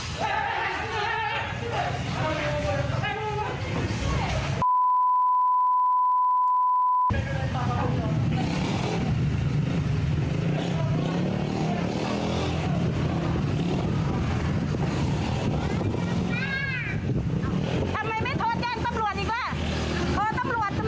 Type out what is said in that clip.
โปรดติดตามตอนต่อไป